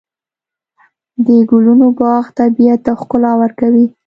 د ګلونو باغ طبیعت ته ښکلا ورکوي.